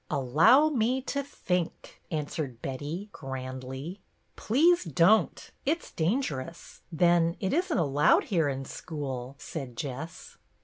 " Allow me to think," answered Betty, grandly. "Please don't; it's dangerous. Then it is n't allowed here in school," said Jess.